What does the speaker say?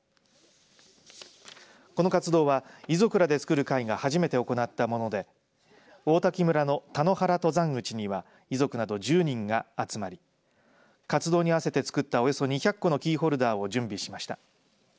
この活動は、遺族らでつくる会が初めて行ったもので王滝村の田の原登山口には遺族など１０人が集まり活動に合わせて作ったおよそ２００個のキーホルダーを準備しました。